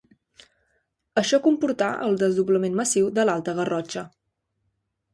Això comportà el despoblament massiu de l'Alta Garrotxa.